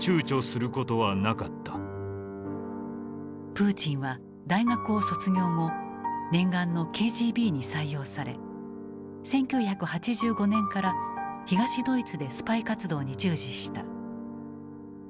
プーチンは大学を卒業後念願のＫＧＢに採用され１９８５年から東ドイツでスパイ活動に従事した。